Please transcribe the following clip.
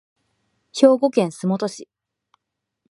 兵庫県洲本市